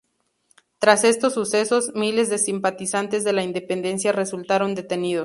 Tras estos sucesos, miles de simpatizantes de la independencia resultaron detenidos.